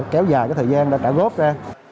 kéo dài thời gian đã trả góp ra